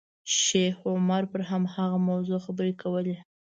شیخ عمر پر هماغه موضوع خبرې کولې.